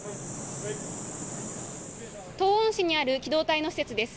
東温市にある機動隊の施設です。